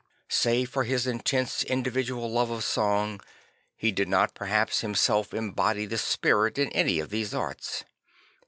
Save for his intense individual love of song, he did not perhaps him self embody this spirit in any of these arts.